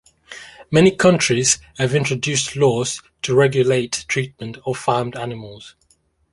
Many countries have introduced laws to regulate treatment of farmed animals.